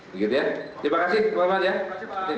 begitu ya terima kasih